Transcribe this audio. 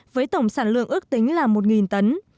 với tổng sản lượng ước tính là một tấn